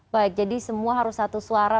baik jadi semua harus satu suara